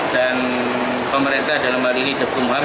dan pemerintah dalam hal ini depokum ham